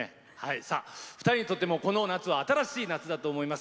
２人にとってもこの夏は「新しい夏」だと思います。